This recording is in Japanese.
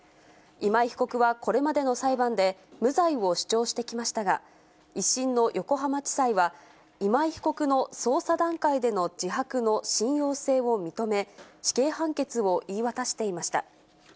今井被告はこれまでの裁判で、無罪を主張してきましたが、１審の横浜地裁は、今井被告の捜査段階での自白の信用性を認め、死刑判決を言い渡していました。